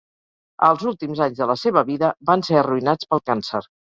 Els últims anys de la seva vida van ser arruïnats pel càncer.